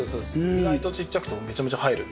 意外とちっちゃくてもめちゃめちゃ入る。